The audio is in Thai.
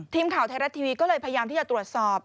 ทีมข่าวไทยรัฐทีวีก็เลยพยายามที่จะตรวจสอบ